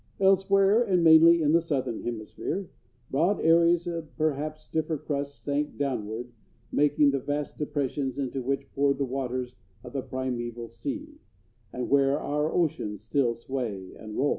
Elsewhere, and mainly in the southern hemisphere, broad areas of perhaps stiffer crust sank downward, making the vast depressions into which poured the waters of the primeval sea, and where our oceans still sway and roll.